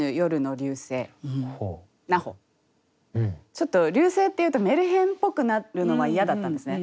ちょっと「流星」っていうとメルヘンっぽくなるのは嫌だったんですね。